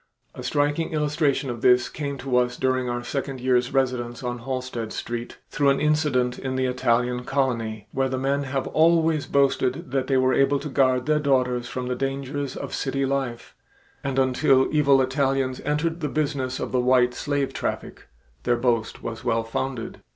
A striking illustration of this came to us during our second year's residence on Halsted Street through an incident in the Italian colony, where the men have always boasted that they were able to guard their daughters from the dangers of city life, and until evil Italians entered the business of the "white slave traffic," their boast was well founded.